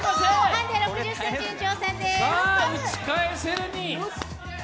ハンデ６０ｃｍに挑戦です。